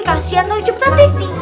kasian tawajib tadi sih